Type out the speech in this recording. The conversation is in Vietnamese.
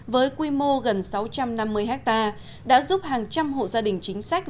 với quy mô gần sáu trăm năm mươi ha đã giúp hàng trăm hộ gia đình chính sách